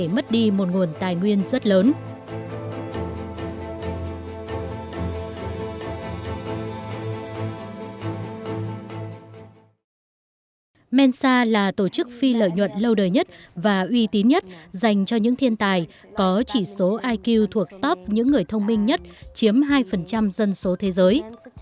mensa là tổ chức phi lợi nhuận lâu đời nhất và uy tín nhất dành cho những thiên tài có chỉ số iq thuộc top những người thông minh nhất chiếm hai dân số thế giới